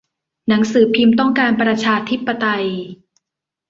หนังสือพิมพ์ต้องการประชาธิปไตย